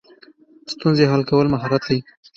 ستونزې حل کول مهارت دی